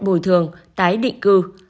bồi thường tái định cư